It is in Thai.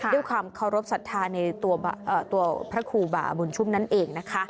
ด้วยความเคารพสัตว์ท้าตัวพระครูบาบุญชุ่มนั่นเอง